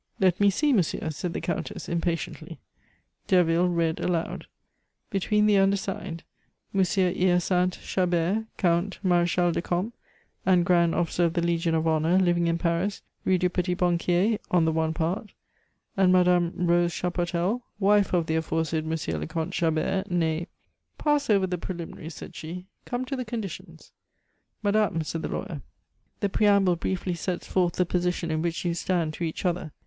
"Let me see, monsieur," said the Countess impatiently. Derville read aloud: "'Between the undersigned: "'M. Hyacinthe Chabert, Count, Marechal de Camp, and Grand Officer of the Legion of Honor, living in Paris, Rue du Petit Banquier, on the one part; "'And Madame Rose Chapotel, wife of the aforesaid M. le Comte Chabert, nee '" "Pass over the preliminaries," said she. "Come to the conditions." "Madame," said the lawyer, "the preamble briefly sets forth the position in which you stand to each other.